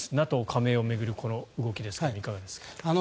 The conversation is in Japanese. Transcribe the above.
ＮＡＴＯ加盟を巡る動きですがいかがですか。